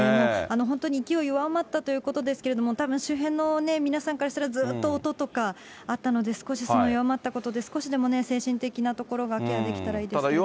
本当に勢い弱まったということですけれども、たぶん周辺の皆さんからしたら、ずーっと音とかあったので、少し弱まったことで少しでも精神的なところがケアできたらいいですけどね。